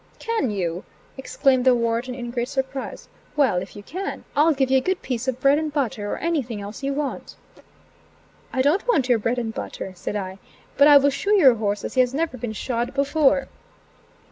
"Can you?" exclaimed the Warden in great surprise; "Well, if you can, I'll give you a good piece of bread and butter, or, anything else you want." "I don't want your bread and butter," said I "but I will shoe your horse as he has never been shod before."